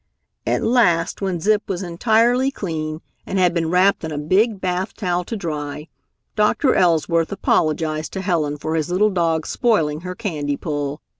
At last when Zip was entirely clean and had been wrapped in a big bath towel to dry, Doctor Elsworth apologized to Helen for his little dog spoiling her candy pull.